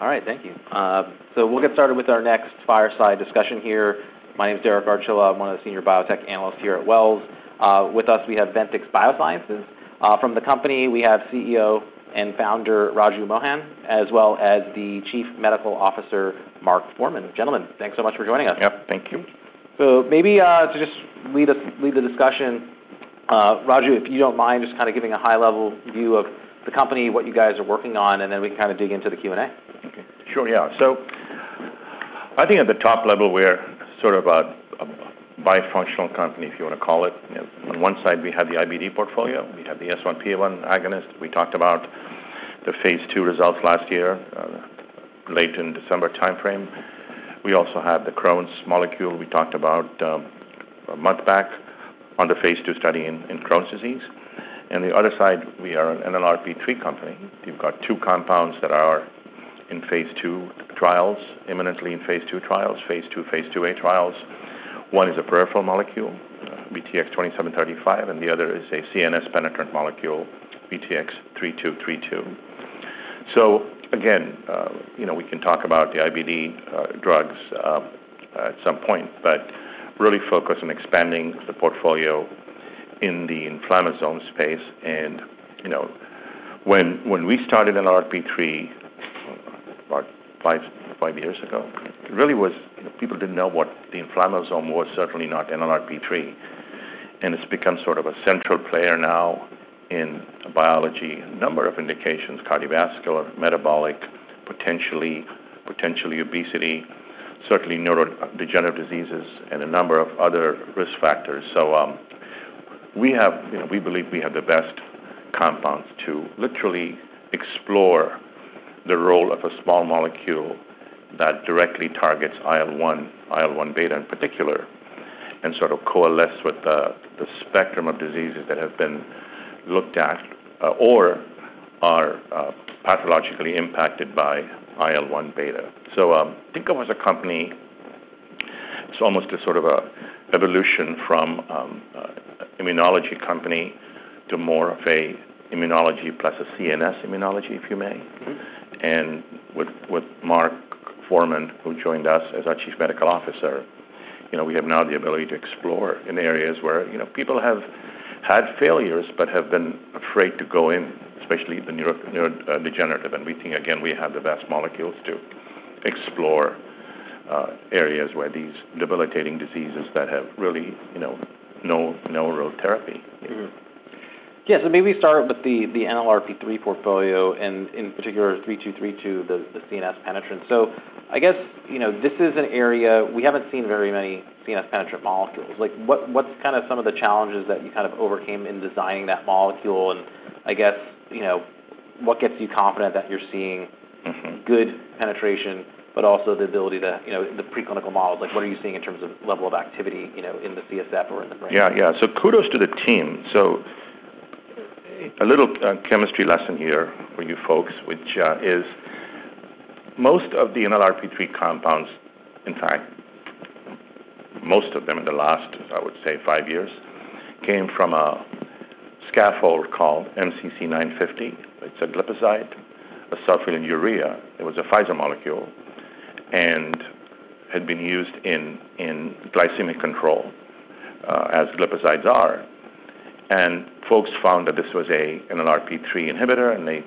All right, thank you, so we'll get started with our next fireside discussion here. My name is Derek Archilla. I'm one of the senior biotech analysts here at Wells. With us, we have Ventyx Biosciences. From the company, we have CEO and Founder, Raju Mohan, as well as the Chief Medical Officer, Mark Forman. Gentlemen, thanks so much for joining us. Yep, thank you. So maybe, to just lead the discussion, Raju, if you don't mind just kind of giving a high-level view of the company, what you guys are working on, and then we can kind of dig into the Q&A. Okay. Sure, yeah. So I think at the top level, we're sort of a bifunctional company, if you want to call it. You know, on one side, we have the IBD portfolio. We have the S1P1 agonist. We talked about the phase II results last year, late in December timeframe. We also have the Crohn's molecule we talked about, a month back on the phase II study in Crohn's disease. On the other side, we are an NLRP3 company. We've got two compounds that are in phase II trials, imminently in phase II trials, phase II, phase II-A trials. One is a peripheral molecule, VTX2735, and the other is a CNS penetrant molecule, VTX3232. So again, you know, we can talk about the IBD drugs at some point, but really focus on expanding the portfolio in the inflammasome space. You know, when we started NLRP3 about five years ago, it really was. People didn't know what the inflammasome was, certainly not NLRP3. It's become sort of a central player now in biology, a number of indications, cardiovascular, metabolic, potentially obesity, certainly neurodegenerative diseases, and a number of other risk factors. You know, we believe we have the best compounds to literally explore the role of a small molecule that directly targets IL-1, IL-1 beta in particular, and sort of coalesce with the spectrum of diseases that have been looked at, or are pathologically impacted by IL-1 beta. Think of us as a company. It's almost a sort of evolution from an immunology company to more of an immunology plus a CNS immunology, if you may. With Mark Forman, who joined us as our Chief Medical Officer, you know, we have now the ability to explore in areas where, you know, people have had failures but have been afraid to go in, especially the neurodegenerative. We think, again, we have the best molecules to explore areas where these debilitating diseases that have really, you know, no neurotherapy. Mm-hmm. Yeah, so maybe start with the NLRP3 portfolio, and in particular, VTX3232, the CNS penetrant. So I guess, you know, this is an area we haven't seen very many CNS penetrant molecules. Like, what's kind of some of the challenges that you kind of overcame in designing that molecule? And I guess, you know, what gets you confident that you're seeing- Mm-hmm... good penetration, but also the ability to, you know, the preclinical models, like, what are you seeing in terms of level of activity, you know, in the CSF or in the brain? Yeah, yeah. So kudos to the team. So a little chemistry lesson here for you folks, which is most of the NLRP3 compounds. In fact, most of them in the last, I would say, five years, came from a scaffold called MCC950. It's a glipizide, a sulfonylurea. It was a Pfizer molecule, and had been used in glycemic control, as glipizides are. And folks found that this was a NLRP3 inhibitor, and they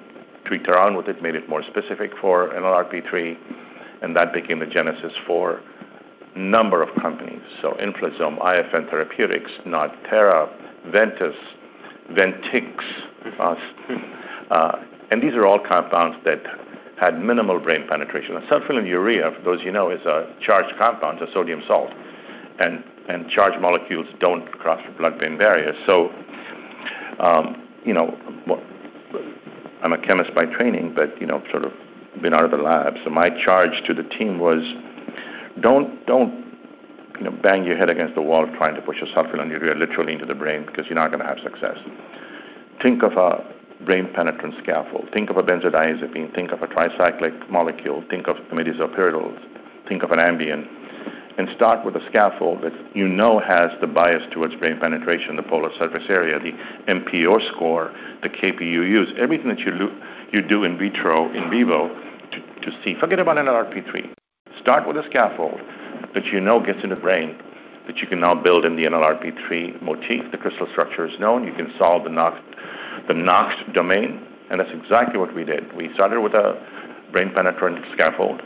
tweaked around with it, made it more specific for NLRP3, and that became the genesis for a number of companies. So Inflazome, IFM Therapeutics, NodThera, Ventus Therapeutics, Ventyx, us. And these are all compounds that had minimal brain penetration. A sulfonylurea, for those you know, is a charged compound, a sodium salt, and charged molecules don't cross the blood-brain barrier. You know, well, I'm a chemist by training, but you know, sort of been out of the lab. My charge to the team was: Don't, you know, bang your head against the wall trying to push a sulfonylurea literally into the brain, because you're not gonna have success. Think of a brain-penetrant scaffold. Think of a benzodiazepine, think of a tricyclic molecule, think of imidazopyridines, think of an Ambien, and start with a scaffold that you know has the bias towards brain penetration, the polar surface area, the PSA score, the Kp,uu, everything that you do in vitro, in vivo, to see. Forget about NLRP3. Start with a scaffold that you know gets in the brain, that you can now build in the NLRP3 motif. The crystal structure is known. You can solve the NACHT, the NACHT domain, and that's exactly what we did. We started with a brain-penetrant scaffold,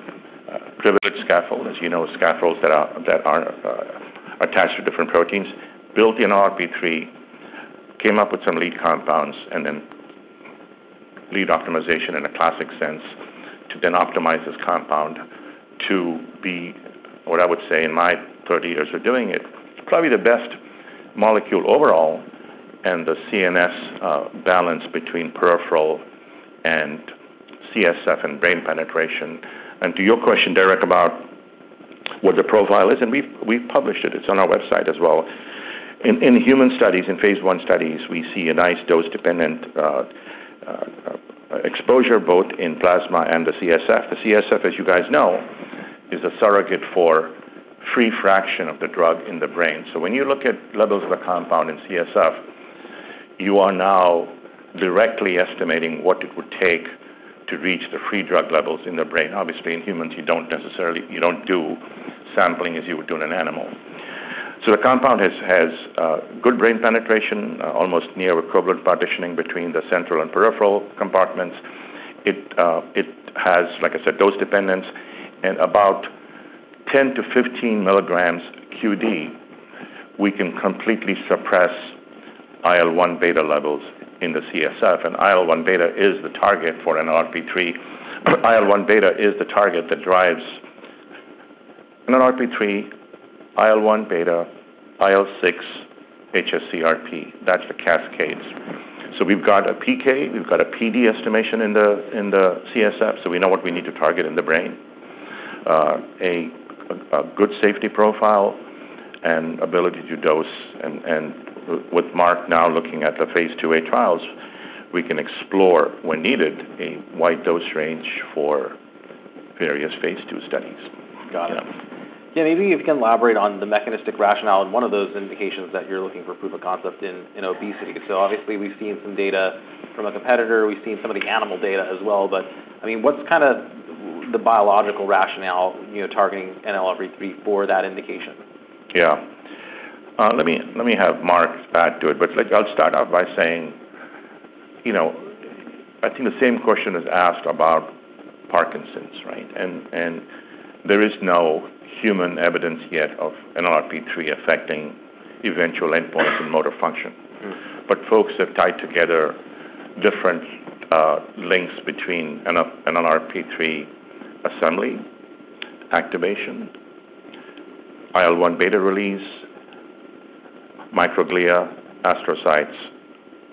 privileged scaffold. As you know, scaffolds that are attached to different proteins, built NLRP3, came up with some lead compounds, and then lead optimization in a classic sense to then optimize this compound to be, what I would say in my thirty years of doing it, probably the best molecule overall in the CNS, balance between peripheral and CSF and brain penetration, and to your question, Derek, about what the profile is, and we've published it, it's on our website as well. In human studies, in phase I studies, we see a nice dose-dependent exposure both in plasma and the CSF. The CSF, as you guys know, is a surrogate for free fraction of the drug in the brain. So when you look at levels of a compound in CSF, you are now directly estimating what it would take to reach the free drug levels in the brain. Obviously, in humans, you don't do sampling as you would do in an animal. So the compound has good brain penetration, almost near-equivalent partitioning between the central and peripheral compartments. It has, like I said, dose dependence, and about 10-15 milligrams QD, we can completely suppress IL-1 beta levels in the CSF, and IL-1 beta is the target for NLRP3. IL-1 beta is the target that drives NLRP3, IL-1 beta, IL-6, hsCRP. That's the cascades. So we've got a PK, we've got a PD estimation in the CSF, so we know what we need to target in the brain. A good safety profile and ability to dose and with Mark now looking at the phase II-A trials, we can explore, when needed, a wide dose range for various phase II studies. Got it. Yeah, maybe if you can elaborate on the mechanistic rationale and one of those indications that you're looking for proof of concept in, in obesity. So obviously, we've seen some data from a competitor, we've seen some of the animal data as well. But, I mean, what's kind of the biological rationale, you know, targeting NLRP3 for that indication? Yeah. Let me have Mark add to it, but like I'll start out by saying, you know, I think the same question is asked about Parkinson's, right? And there is no human evidence yet of NLRP3 affecting eventual endpoints in motor function. Mm-hmm. But folks have tied together different links between NLRP3 assembly, activation, IL-1 beta release, microglia, astrocytes,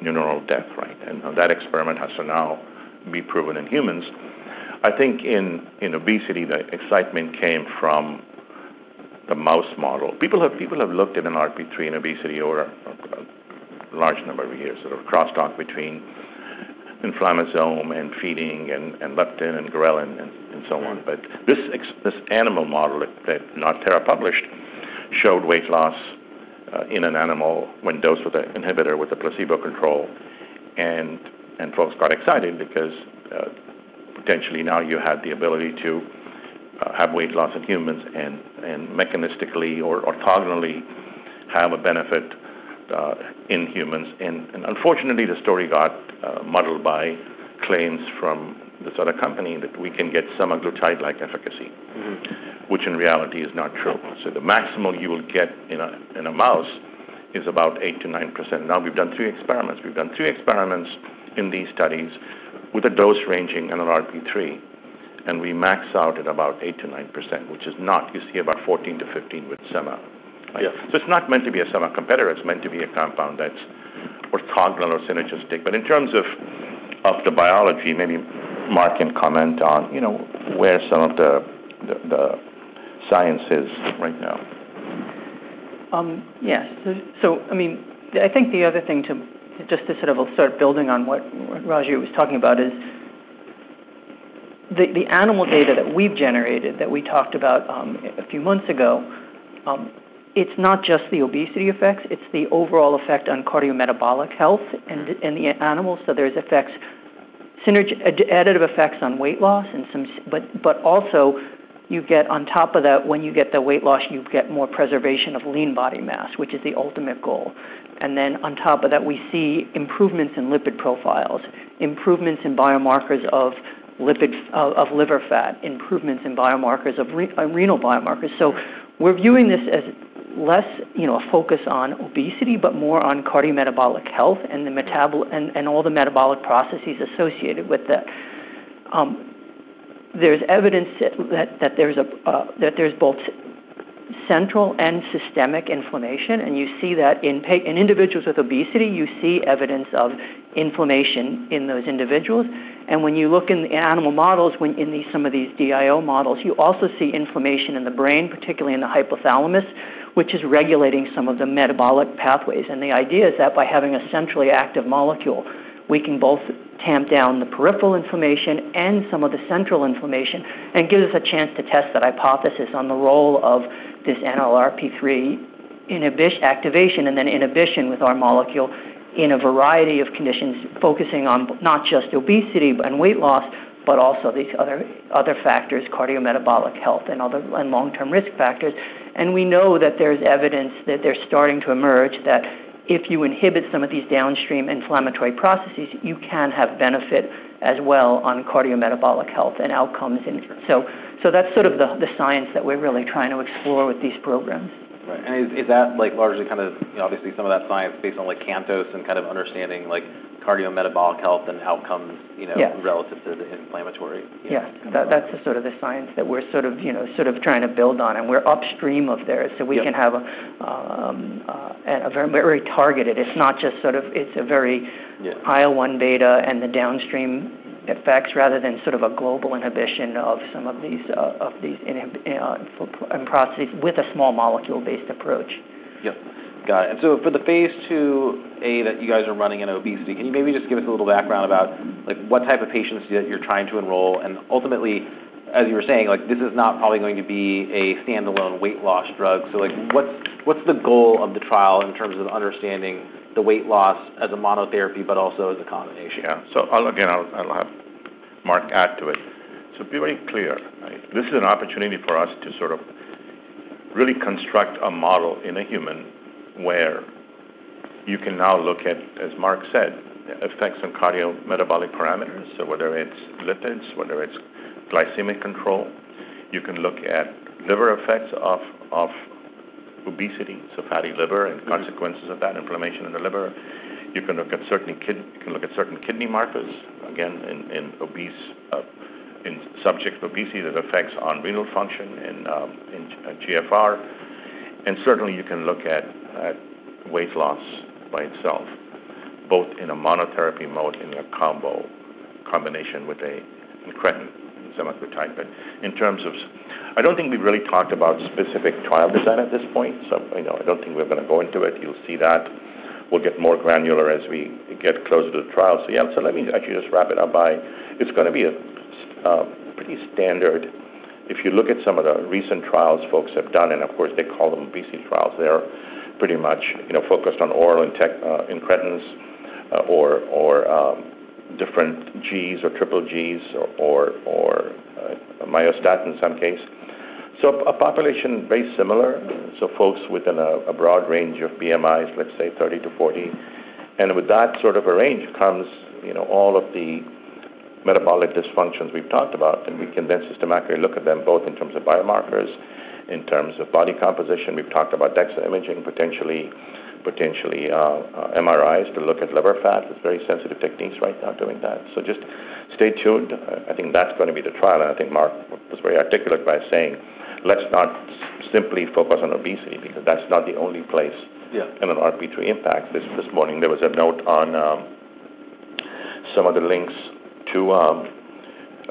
neuronal death, right? And that experiment has to now be proven in humans. I think in obesity, the excitement came from the mouse model. People have looked at NLRP3 in obesity over a large number of years, sort of crosstalk between inflammasome and feeding and leptin and ghrelin and so on. Mm-hmm. This animal model that NodThera published showed weight loss in an animal when dosed with an inhibitor, with a placebo control. Folks got excited because potentially now you had the ability to have weight loss in humans and mechanistically or orthogonally have a benefit in humans. Unfortunately, the story got muddled by claims from this other company that we can get semaglutide-like efficacy. Mm-hmm. Which in reality is not true. So the maximum you will get in a mouse is about 8-9%. Now, we've done three experiments in these studies with a dose ranging NLRP3, and we max out at about 8-9%, which is not... You see about 14%-15% with Sema. Yeah. It's not meant to be a Sema competitor. It's meant to be a compound that's orthogonal or synergistic. But in terms of the biology, maybe Mark can comment on, you know, where some of the science is right now. Yes. So, I mean, I think the other thing to, just to sort of start building on what Raju was talking about, is the animal data that we've generated, that we talked about, a few months ago. It's not just the obesity effects, it's the overall effect on cardiometabolic health in the animals. So there's effects, additive effects on weight loss and some... But also, you get on top of that, when you get the weight loss, you get more preservation of lean body mass, which is the ultimate goal. And then on top of that, we see improvements in lipid profiles, improvements in biomarkers of lipids, of liver fat, improvements in biomarkers of renal biomarkers. So we're viewing this as less, you know, a focus on obesity, but more on cardiometabolic health and the metabolic and all the metabolic processes associated with it. There's evidence that there's both central and systemic inflammation, and you see that in individuals with obesity. You see evidence of inflammation in those individuals. When you look in the animal models, in some of these DIO models, you also see inflammation in the brain, particularly in the hypothalamus, which is regulating some of the metabolic pathways. The idea is that by having a centrally active molecule, we can both tamp down the peripheral inflammation and some of the central inflammation and give us a chance to test that hypothesis on the role of this NLRP3 inhibition activation, and then inhibition with our molecule in a variety of conditions, focusing on not just obesity and weight loss, but also these other factors, cardiometabolic health and other and long-term risk factors. We know that there's evidence that they're starting to emerge, that if you inhibit some of these downstream inflammatory processes, you can have benefit as well on cardiometabolic health and outcomes in the... That's sort of the science that we're really trying to explore with these programs. Right. And is that, like, largely kind of... Obviously, some of that science based on, like, CANTOS and kind of understanding, like, cardiometabolic health and outcomes, you know- Yeah -relative to the inflammatory? Yeah. That's the sort of science that we're sort of, you know, trying to build on, and we're upstream of there so we can have, a very, very targeted. It's not just sort of... It's a very- Yeah IL-1 beta and the downstream effects, rather than sort of a global inhibition of some of these inhibitory processes with a small molecule-based approach. Yep, got it. And so for the phase II-A that you guys are running in obesity, can you maybe just give us a little background about, like, what type of patients you're trying to enroll? And ultimately, as you were saying, like, this is not probably going to be a standalone weight loss drug. So like, what's the goal of the trial in terms of understanding the weight loss as a monotherapy, but also as a combination? Yeah. So I'll, again, have Mark add to it. So to be very clear, right, this is an opportunity for us to sort of really construct a model in a human, where you can now look at, as Mark said, effects on cardiometabolic parameters. So whether it's lipids, whether it's glycemic control, you can look at liver effects of obesity, so fatty liver and consequences of that inflammation in the liver. You can look at certain kidney markers, again, in obese subjects with obesity, that affects on renal function in GFR. And certainly, you can look at weight loss by itself, both in a monotherapy mode, in a combo, combination with an incretin, some of the type. But in terms of... I don't think we've really talked about specific trial design at this point, so, you know, I don't think we're going to go into it. You'll see that we'll get more granular as we get closer to the trial. So, yeah, so let me actually just wrap it up by, it's gonna be a pretty standard. If you look at some of the recent trials folks have done, and of course, they call them obesity trials, they're pretty much, you know, focused on oral intact incretins or different Gs or triple Gs or myostatin in some cases. So a population very similar, so folks within a broad range of BMIs, let's say thirty to forty. And with that sort of a range comes, you know, all of the metabolic dysfunctions we've talked about, and we can then systematically look at them both in terms of biomarkers, in terms of body composition. We've talked about DEXA imaging, potentially MRIs, to look at liver fat. There's very sensitive techniques right now doing that. So just stay tuned.I think that's gonna be the trial, and I think Mark was very articulate by saying, "Let's not simply focus on obesity, because that's not the only place- Yeah. - in an NLRP3 impact. This morning, there was a note on some of the links to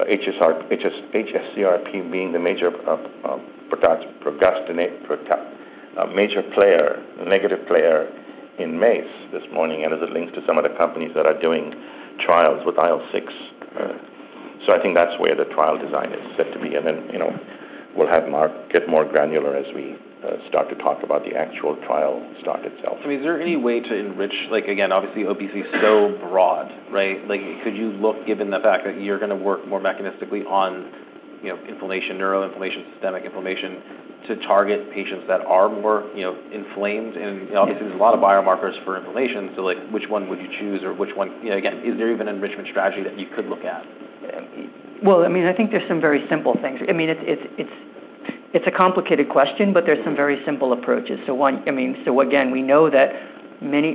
hsCRP being the major, a major player, a negative player in MACE this morning, and there's a link to some of the companies that are doing trials with IL-6. So I think that's where the trial design is set to be, and then, you know, we'll have Mark get more granular as we start to talk about the actual trial start itself. I mean, is there any way to enrich... Like, again, obviously, obesity is so broad, right? Like, could you look, given the fact that you're gonna work more mechanistically on, you know, inflammation, neuroinflammation, systemic inflammation, to target patients that are more, you know, inflamed? Yes. Obviously, there's a lot of biomarkers for inflammation, so, like, which one would you choose or which one... You know, again, is there even an enrichment strategy that you could look at? I mean, I think there's some very simple things. I mean, it's a complicated question, but there's some very simple approaches. So one, I mean, so again, we know that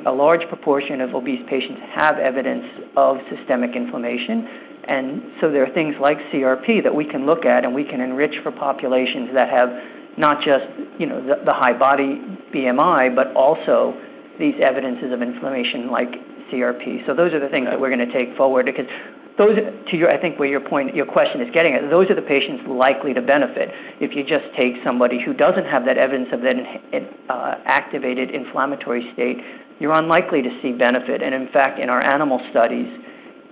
a large proportion of obese patients have evidence of systemic inflammation. And so there are things like CRP that we can look at, and we can enrich for populations that have not just, you know, the high body BMI, but also these evidences of inflammation like CRP. So those are the things that we're gonna take forward, because those, to your, I think, where your point, your question is getting at, those are the patients likely to benefit. If you just take somebody who doesn't have that evidence of an activated inflammatory state, you're unlikely to see benefit. In fact, in our animal studies,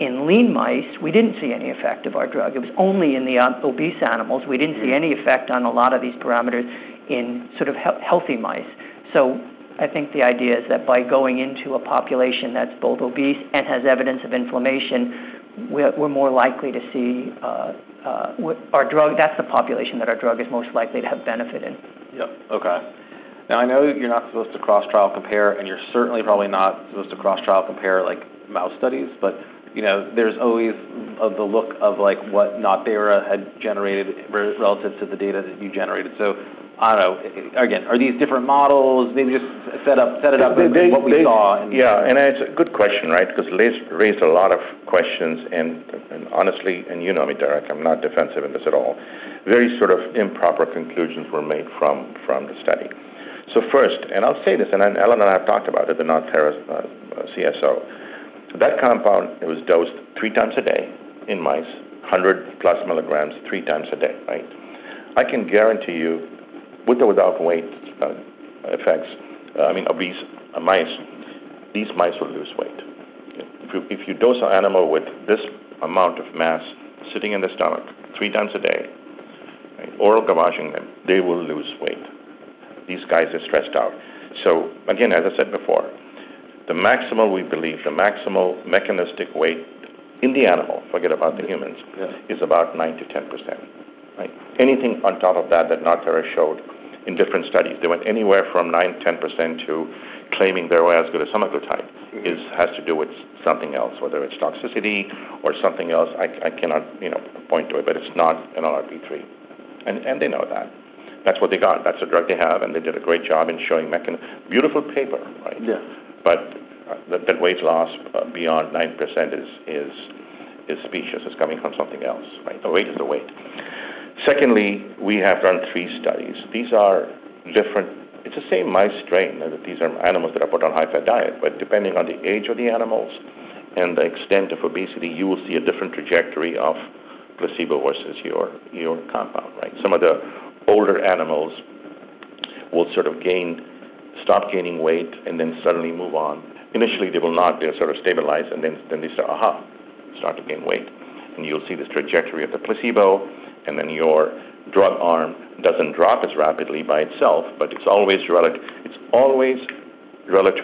in lean mice, we didn't see any effect of our drug. It was only in the obese animals. We didn't see any effect on a lot of these parameters in sort of healthy mice. So I think the idea is that by going into a population that's both obese and has evidence of inflammation, we're more likely to see with our drug, that's the population that our drug is most likely to have benefit in. Yep. Okay. Now, I know you're not supposed to cross-trial compare, and you're certainly probably not supposed to cross-trial compare, like, mouse studies, but, you know, there's always, the look of, like, what NodThera had generated relative to the data that you generated. So I don't know. Again, are these different models? Maybe just set up, set it up with what we saw and- Yeah, and it's a good question, right? Because raised a lot of questions, and honestly, and you know me, Derek, I'm not defensive in this at all. Very sort of improper conclusions were made from the study. So first, and I'll say this, and then Ellen and I have talked about it, the NodThera CSO. That compound, it was dosed three times a day in mice, hundred plus milligrams, three times a day, right? I can guarantee you, with or without weight effects, I mean, obese mice, these mice will lose weight. If you dose an animal with this amount of mass sitting in the stomach three times a day, oral gavage in them, they will lose weight. These guys are stressed out. So again, as I said before, we believe, the maximal mechanistic weight in the animal, forget about the humans- Yeah... is about 9%-10%, right? Anything on top of that, that NodThera showed in different studies, they went anywhere from 9%-10% to claiming they were as good as some of the type, is- has to do with something else, whether it's toxicity or something else, I cannot, you know, point to it, but it's not an NLRP3. And they know that. That's what they got. That's the drug they have, and they did a great job in showing mechan- beautiful paper, right? Yeah. That weight loss beyond 9% is specious, it's coming from something else, right? The weight is the weight. Secondly, we have run three studies. These are different. It's the same mice strain, these are animals that are put on a high-fat diet, but depending on the age of the animals and the extent of obesity, you will see a different trajectory of placebo versus your compound, right? Some of the older animals will sort of gain, stop gaining weight, and then suddenly move on. Initially, they will not, they'll sort of stabilize, and then they start to gain weight. And you'll see this trajectory of the placebo, and then your drug arm doesn't drop as rapidly by itself, but it's always relative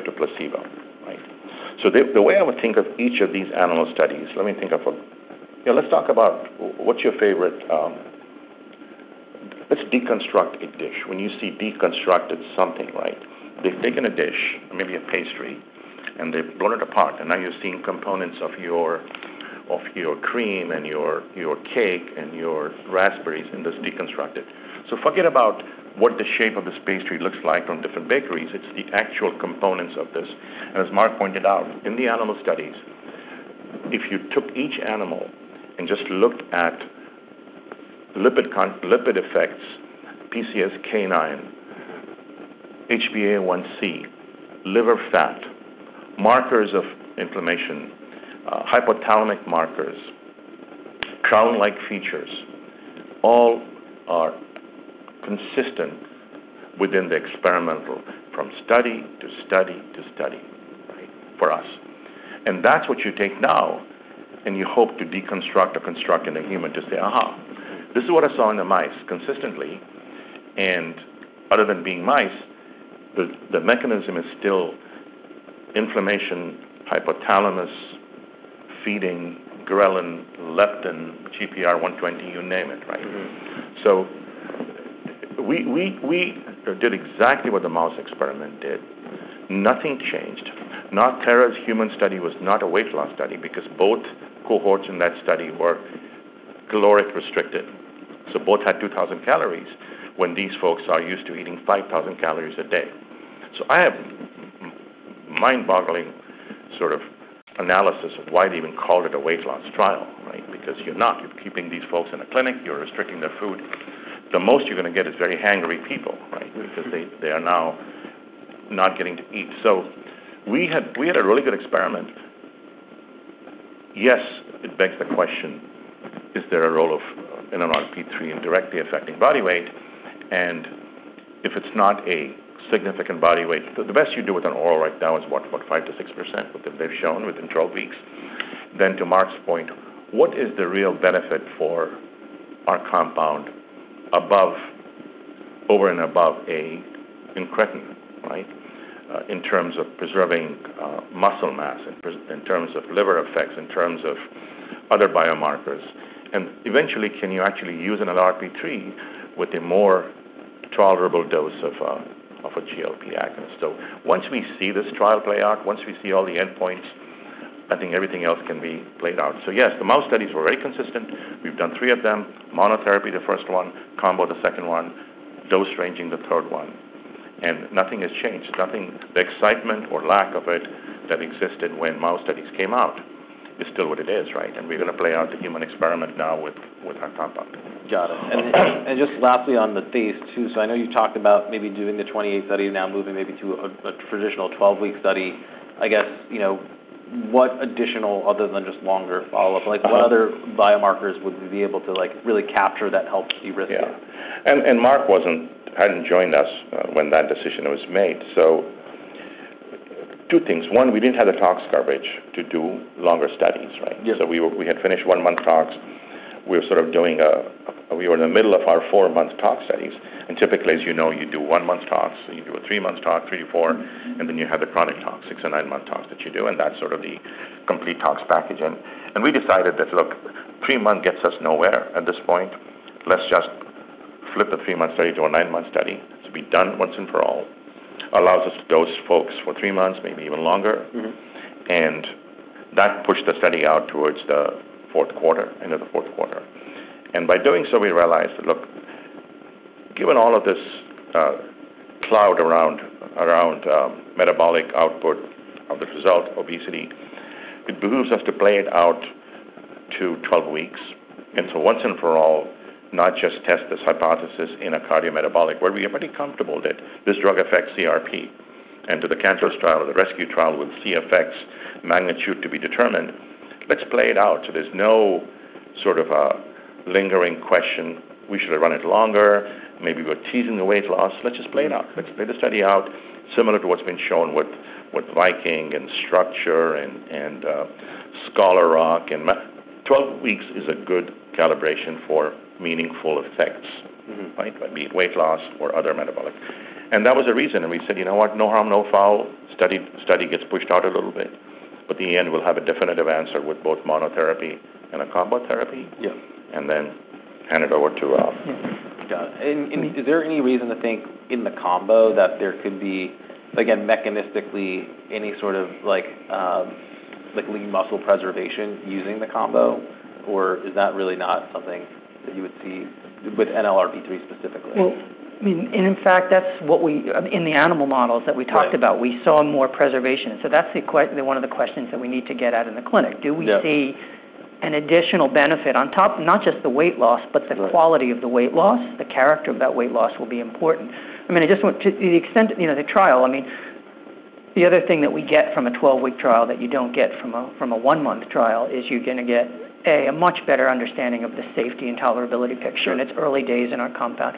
to placebo, right? The way I would think of each of these animal studies, let's talk about what's your favorite. Let's deconstruct a dish. When you see deconstructed something, right? They've taken a dish, maybe a pastry, and they've blown it apart, and now you're seeing components of your cream and your cake and your raspberries, and just deconstruct it. Forget about what the shape of this pastry looks like from different bakeries. It's the actual components of this. As Mark pointed out, in the animal studies, if you took each animal and just looked at lipid effects, PCSK9, HbA1c, liver fat, markers of inflammation, hypothalamic markers, crown-like features, all are consistent within the experimental, from study to study to study, right, for us. That's what you take now, and you hope to deconstruct or construct in a human to say, "Aha, this is what I saw in the mice consistently." Other than being mice, the mechanism is still inflammation, hypothalamus, feeding, ghrelin, leptin, GPR120, you name it, right? Mm-hmm. So we did exactly what the mouse experiment did. Nothing changed. NodThera's human study was not a weight loss study because both cohorts in that study were calorically restricted. So both had two thousand calories when these folks are used to eating five thousand calories a day. So I have mind-boggling sort of analysis of why they even called it a weight loss trial, right? Because you're not. You're keeping these folks in a clinic, you're restricting their food. The most you're gonna get is very hangry people, right? Mm-hmm. Because they are now not getting to eat. We had a really good experiment. Yes, it begs the question, is there a role of NLRP3 in directly affecting body weight? And if it's not a significant body weight... The best you do with an oral right now is what? About 5%-6%, what they've shown within 12 weeks. Then to Mark's point, what is the real benefit for our compound above, over, and above an incretin, right? In terms of preserving muscle mass, in terms of liver effects, in terms of other biomarkers. And eventually, can you actually use an NLRP3 with a more tolerable dose of a GLP agonist? Once we see this trial play out, once we see all the endpoints, I think everything else can be laid out. So yes, the mouse studies were very consistent. We've done three of them. Monotherapy, the first one, combo, the second one, dose ranging, the third one, and nothing has changed. Nothing, the excitement or lack of it that existed when mouse studies came out is still what it is, right? And we're gonna play out the human experiment now with our compound. Got it. And just lastly on the phase II, so I know you talked about maybe doing the 28 study, now moving maybe to a traditional 12-week study. I guess, you know, what additional, other than just longer follow-up, like, what other biomarkers would we be able to, like, really capture that helps de-risk it? Yeah. And Mark hadn't joined us when that decision was made. So two things: One, we didn't have the tox coverage to do longer studies, right? Yes. We had finished one-month tox. We were sort of doing, we were in the middle of our four-month tox studies, and typically, as you know, you do one-month tox, and you do a three-month tox, three to four. And then you have the chronic tox, six- to nine-month tox that you do, and that's sort of the complete tox package. And we decided that, look, three months gets us nowhere at this point. Let's just flip the three-month study to a nine-month study to be done once and for all. Allows us to dose folks for three months, maybe even longer. Mm-hmm. And that pushed the study out towards the fourth quarter, end of the fourth quarter. And by doing so, we realized that, look, given all of this, cloud around metabolic output of the result, obesity, it behooves us to play it out to twelve weeks. And so once and for all, not just test this hypothesis in a cardiometabolic, where we are pretty comfortable that this drug affects CRP. And to the CANTOS trial, the rescue trial, with CV effects magnitude to be determined, let's play it out so there's no sort of a lingering question. We should have run it longer. Maybe we're teasing the weight loss. Let's just play it out. Let's play the study out, similar to what's been shown with Viking and Structure and Scholar Rock. 12 weeks is a good calibration for meaningful effects- Mm-hmm... right? Whether it be weight loss or other metabolic. And that was the reason, and we said: You know what? No harm, no foul. Study, study gets pushed out a little bit, but in the end, we'll have a definitive answer with both monotherapy and a combo therapy. Yeah. And then hand it over to, Got it. And is there any reason to think in the combo that there could be, again, mechanistically, any sort of like lean muscle preservation using the combo? Or is that really not something that you would see with NLRP3 specifically? I mean, and in fact, that's what in the animal models that we talked about, we saw more preservation. So that's one of the questions that we need to get at in the clinic. Yeah. Do we see an additional benefit on top, not just the weight loss? Right... but the quality of the weight loss, the character of that weight loss will be important. I mean, I just want to the extent, you know, the trial, I mean- The other thing that we get from a twelve-week trial that you don't get from a one-month trial is you're gonna get a much better understanding of the safety and tolerability picture in its early days in our compound.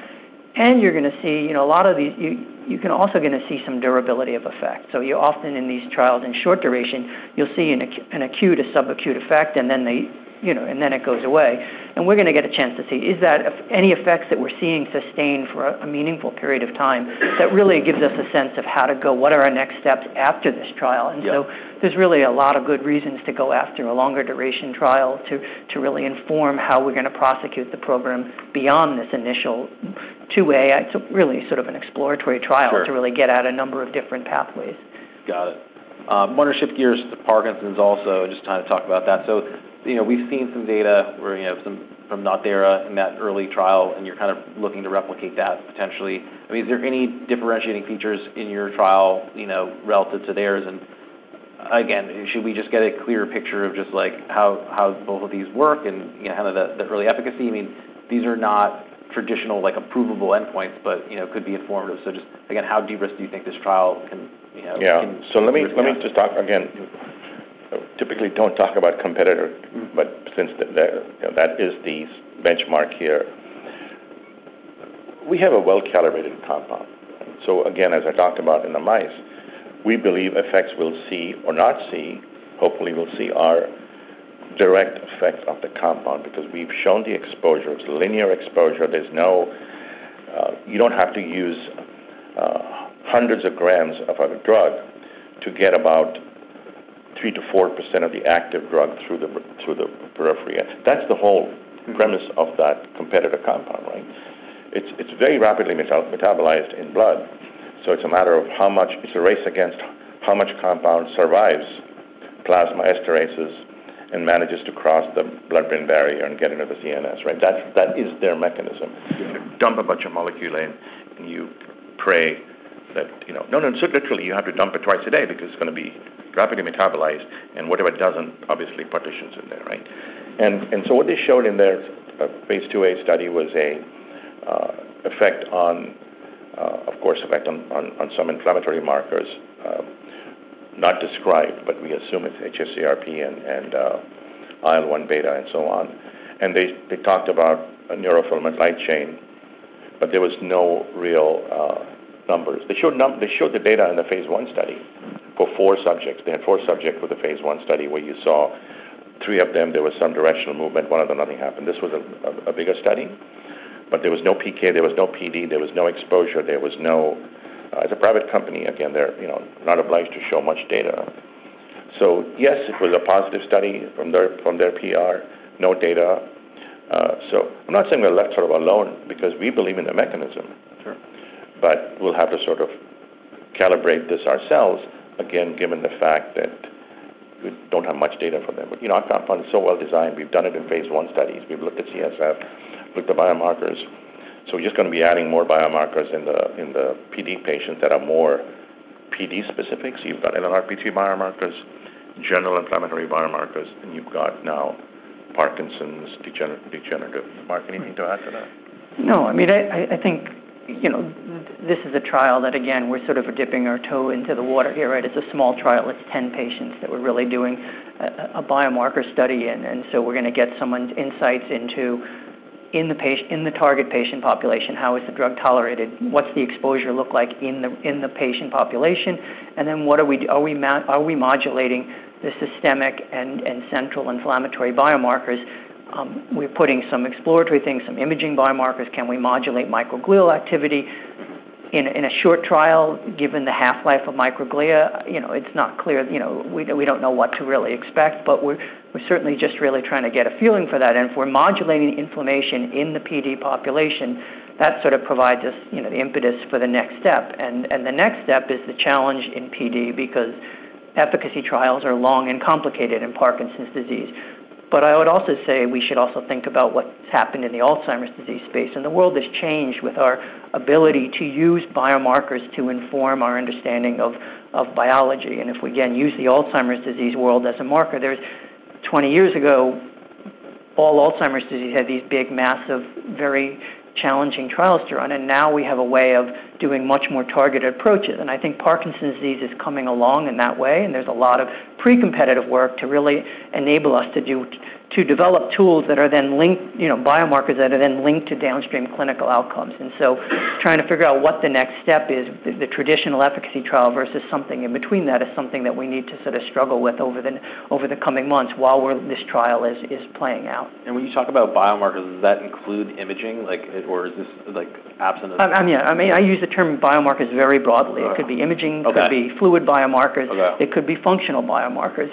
And you're gonna see, you know, a lot of these. You can also gonna see some durability of effect. So you often, in these trials, in short duration, you'll see an acute, a sub-acute effect, and then they, you know, and then it goes away. And we're gonna get a chance to see, is that, any effects that we're seeing sustained for a meaningful period of time, that really gives us a sense of how to go, what are our next steps after this trial? Yeah. And so there's really a lot of good reasons to go after a longer duration trial to really inform how we're gonna prosecute the program beyond this initial phase II-A. It's a really sort of an exploratory trial. Sure. to really get at a number of different pathways. Got it. I wanna shift gears to Parkinson's also, just to kind of talk about that. So you know, we've seen some data where you have some from NodThera in that early trial, and you're kind of looking to replicate that potentially. I mean, is there any differentiating features in your trial, you know, relative to theirs? And again, should we just get a clear picture of just like how both of these work and you know how the early efficacy. I mean, these are not traditional like approvable endpoints, but you know could be informative. So just again, how de-risk do you think this trial can you know can- Yeah. So Let me just talk again. Typically, don't talk about competitor, but since the, you know, that is the benchmark here. We have a well-calibrated compound. So again, as I talked about in the mice, we believe effects we'll see or not see, hopefully, we'll see are direct effects of the compound because we've shown the exposure. It's linear exposure. There's no. You don't have to use hundreds of grams of our drug to get about 3%-4% of the active drug through the, through the periphery. That's the whole premise of that competitive compound, right? It's, it's very rapidly metabolized in blood, so it's a matter of how much. It's a race against how much compound survives plasma esterases and manages to cross the blood-brain barrier and get into the CNS, right? That, that is their mechanism. Dump a bunch of molecule in, and you pray that, you know. No, no, so literally, you have to dump it twice a day because it's gonna be rapidly metabolized, and whatever it doesn't, obviously, partitions in there, right? And so what they showed in phase II-A study was an effect on, of course, effect on some inflammatory markers, not described, but we assume it's hsCRP and IL-1 beta and so on. And they talked about a neurofilament light chain, but there was no real numbers. They showed the data in the phase I study for four subjects. They had four subjects with the phase I study, where you saw three of them, there was some directional movement, one of them, nothing happened. This was a bigger study, but there was no PK, there was no PD, there was no exposure, there was no... As a private company, again, they're, you know, not obliged to show much data. So yes, it was a positive study from their PR, no data. So I'm not saying we're left sort of alone because we believe in the mechanism. Sure. But we'll have to sort of calibrate this ourselves, again, given the fact that we don't have much data from them. But, you know, our compound is so well-designed. We've done it in phase I studies. We've looked at CSF, looked at biomarkers, so we're just gonna be adding more biomarkers in the PD patients that are more PD-specific. So you've got NLRP3 biomarkers, general inflammatory biomarkers, and you've got now Parkinson's degenerative. Mark, anything to add to that? No, I mean, I think, you know, this is a trial that, again, we're sort of dipping our toe into the water here, right? It's a small trial. It's 10 patients that we're really doing a biomarker study in, and so we're gonna get someone's insights into, in the target patient population, how is the drug tolerated? What's the exposure look like in the patient population? And then what are we modulating the systemic and central inflammatory biomarkers? We're putting some exploratory things, some imaging biomarkers. Can we modulate microglial activity in a short trial, given the half-life of microglia? You know, it's not clear. You know, we don't know what to really expect, but we're certainly just really trying to get a feeling for that. If we're modulating inflammation in the PD population, that sort of provides us, you know, the impetus for the next step. The next step is the challenge in PD because efficacy trials are long and complicated in Parkinson's disease. I would also say we should also think about what's happened in the Alzheimer's disease space, and the world has changed with our ability to use biomarkers to inform our understanding of biology. If we again use the Alzheimer's disease world as a marker, there's twenty years ago, all Alzheimer's disease had these big, massive, very challenging trials to run, and now we have a way of doing much more targeted approaches. I think Parkinson's disease is coming along in that way, and there's a lot of pre-competitive work to really enable us to do to develop tools that are then linked, you know, biomarkers that are then linked to downstream clinical outcomes. So trying to figure out what the next step is, the traditional efficacy trial versus something in between that, is something that we need to sort of struggle with over the coming months while this trial is playing out. When you talk about biomarkers, does that include imaging? Like, or is this, like, absent of- Yeah. I mean, I use the term biomarkers very broadly. Uh. It could be imaging- Okay. It could be fluid biomarkers. Okay. It could be functional biomarkers.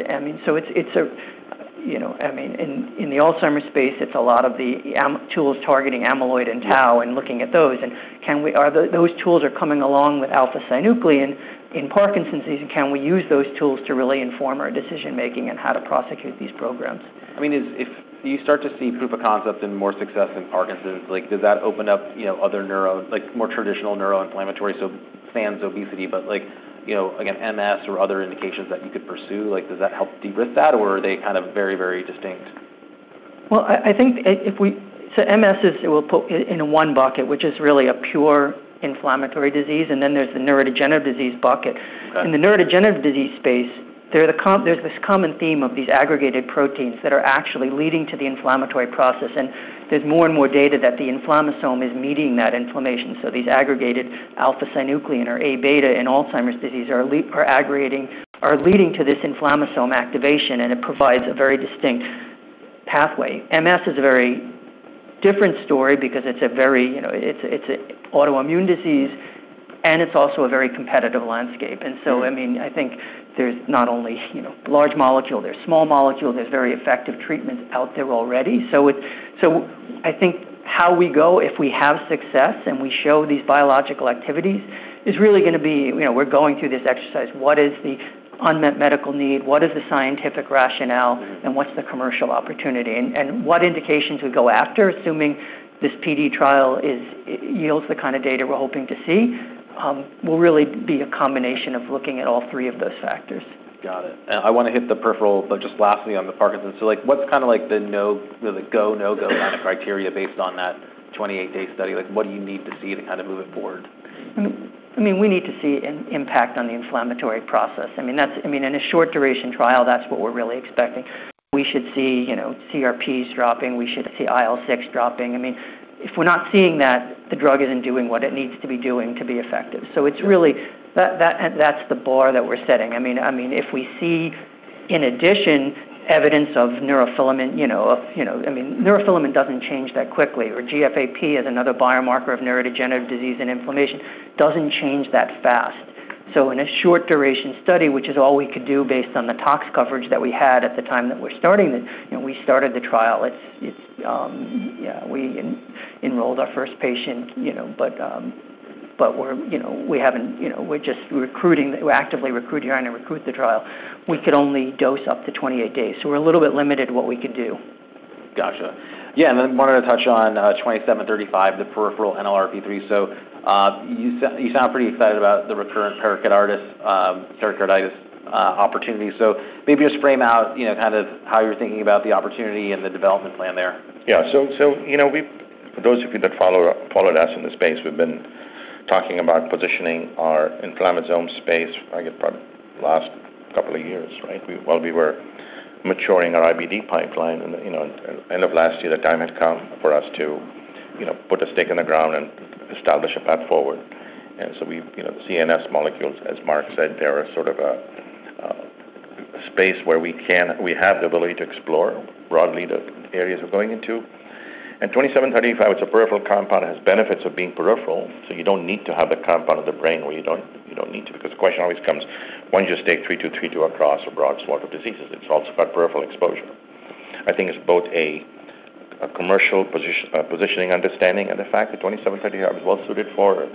You know, I mean, in the Alzheimer's space, it's a lot of the amyloid tools targeting amyloid and tau. Yeah And looking at those. And are those tools coming along with alpha-synuclein? In Parkinson's disease, can we use those tools to really inform our decision-making and how to prosecute these programs? I mean, if you start to see proof of concept and more success in Parkinson's, like, does that open up, you know, other neuro, like, more traditional neuroinflammatory, so sans obesity, but like, you know, again, MS or other indications that you could pursue? Like, does that help de-risk that, or are they kind of very, very distinct? I think if we—so MS is. We'll put in one bucket, which is really a pure inflammatory disease, and then there's the neurodegenerative disease bucket. Got it. In the neurodegenerative disease space, there's this common theme of these aggregated proteins that are actually leading to the inflammatory process, and there's more and more data that the inflammasome is meeting that inflammation. So these aggregated alpha-synuclein or Aβ in Alzheimer's disease are aggregating, are leading to this inflammasome activation, and it provides a very distinct pathway. MS is a very different story because it's a very, you know, it's an autoimmune disease, and it's also a very competitive landscape. And so, I mean, I think there's not only, you know, large molecule, there's small molecule, there's very effective treatments out there already. So I think how we go, if we have success and we show these biological activities, is really gonna be, you know, we're going through this exercise. What is the unmet medical need? What is the scientific rationale? What's the commercial opportunity? And what indications we go after, assuming this PD trial yields the kind of data we're hoping to see, will really be a combination of looking at all three of those factors. Got it. And I wanna hit the peripheral, but just lastly, on the Parkinson's. So, like, what's kind of like the go, no-go kind of criteria based on that 28-day study? Like, what do you need to see to kind of move it forward? I mean, we need to see an impact on the inflammatory process. I mean, that's... I mean, in a short duration trial, that's what we're really expecting. We should see, you know, CRPs dropping. We should see IL-6 dropping. I mean, if we're not seeing that, the drug isn't doing what it needs to be doing to be effective. So it's really that's the bar that we're setting. I mean, if we see, in addition, evidence of neurofilament, you know, I mean, neurofilament doesn't change that quickly, or GFAP is another biomarker of neurodegenerative disease, and inflammation doesn't change that fast. So in a short duration study, which is all we could do based on the tox coverage that we had at the time that we're starting it, you know, we started the trial. It's yeah, we enrolled our first patient, you know, but but we're, you know, we haven't, you know, we're just recruiting. We're actively recruiting and recruit the trial. We could only dose up to 28 days, so we're a little bit limited what we could do. Gotcha. Yeah, and then wanted to touch on VTX2735, the peripheral NLRP3. So you sound pretty excited about the recurrent pericarditis opportunity. So maybe just frame out, you know, kind of how you're thinking about the opportunity and the development plan there. Yeah. So, you know, we've been talking about positioning our inflammasome space, I guess, probably last couple of years, right? While we were maturing our IBD pipeline and, you know, end of last year, the time had come for us to, you know, put a stake in the ground and establish a path forward. And so we, you know, CNS molecules, as Mark said, they are sort of a space where we can. We have the ability to explore broadly the areas we're going into. And twenty-seven thirty-five, it's a peripheral compound, has benefits of being peripheral, so you don't need to have the compound in the brain, because the question always comes, why don't you just take three two, three two across a broad swath of diseases? It's also about peripheral exposure. I think it's both a commercial positioning understanding, and the fact that twenty-seven thirty-five is well suited for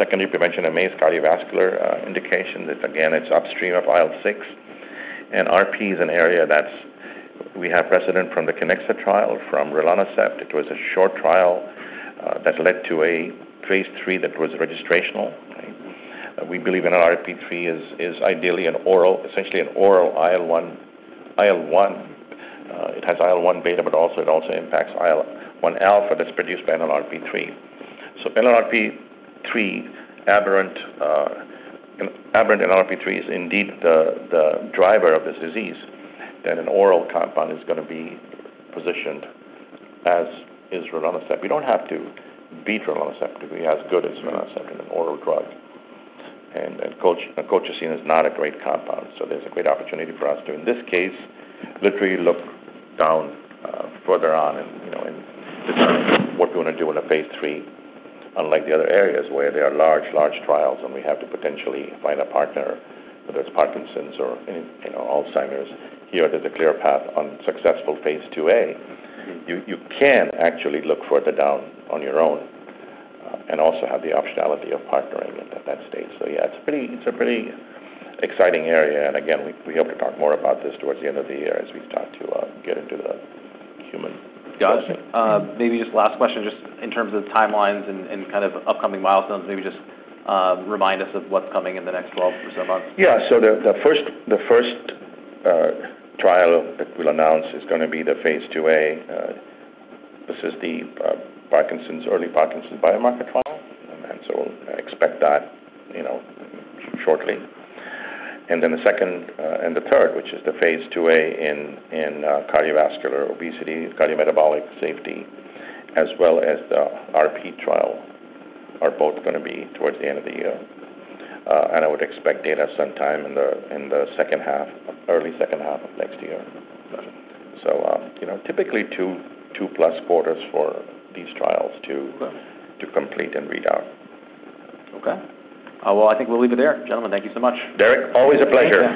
secondary prevention in MACE cardiovascular indication, that again, it's upstream of IL-6. And RP is an area that's we have precedent from the Kiniksa trial, from rilonacept. It was a short trial that led to a phase III that was registrational, right? We believe NLRP3 is ideally an oral, essentially an oral IL-1. IL-1, it has IL-1 beta, but also it also impacts IL-1 alpha that's produced by NLRP3. So NLRP3, aberrant NLRP3 is indeed the driver of this disease, then an oral compound is gonna be positioned as is rilonacept. We don't have to beat rilonacept. It could be as good as rilonacept in an oral drug. Colchicine is not a great compound, so there's a great opportunity for us to, in this case, literally look down further on and, you know, and determine what we're gonna do in a phase III. Unlike the other areas where there are large, large trials, and we have to potentially find a partner, whether it's Parkinson's or any, you know, Alzheimer's, here, there's a clear path on successful phase II-A. You can actually look further down on your own, and also have the optionality of partnering at that stage. So yeah, it's a pretty exciting area, and again, we hope to talk more about this towards the end of the year as we start to get into the human. Got it. Maybe just last question, just in terms of timelines and, and kind of upcoming milestones, maybe just, remind us of what's coming in the next 12 or so months? Yeah. So the first trial that we'll announce is gonna be phase II-A. this is the early Parkinson's biomarker trial, and so expect that, you know, shortly. And then the second and the third, which is phase II-A in cardiovascular, obesity, cardiometabolic safety, as well as the RP trial, are both gonna be towards the end of the year. And I would expect data sometime in the second half, early second half of next year. Gotcha. You know, typically two, two-plus quarters for these trials to- Right... to complete and read out. Okay. Well, I think we'll leave it there. Gentlemen, thank you so much. Derek, always a pleasure.